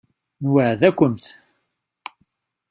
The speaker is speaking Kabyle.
Nweεεed-akumt.